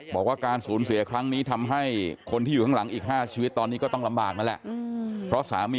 บอกว่าการสูญเสียครั้งนี้ทำให้คนที่อยู่ข้างหลังอีก๕ชีวิตตอนนี้ก็ต้องลำบากนั่นแหละเพราะสามี